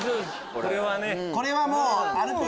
これはね。